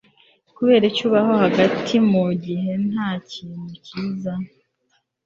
Kuki ubaho hagati mugihe ntakintu cyiza